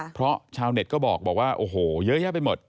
เพราะชาวเน็ตก็บอกว่าโอ้โหเยอะแยะไปหมด